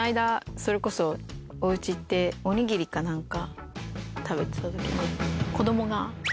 それこそお家行っておにぎりか何か食べてた時に。